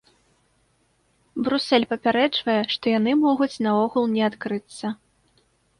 Брусэль папярэджвае, што яны могуць наогул не адкрыцца.